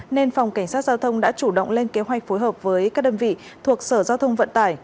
nên phòng cảnh sát giao thông đã chủ động lên kế hoạch phối hợp với các đơn vị thuộc sở giao thông vận tải